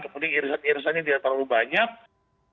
kemudian irisan irisannya tidak terlalu banyak